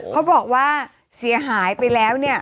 เขาบอกว่าเสียหายไปแล้วเนี่ย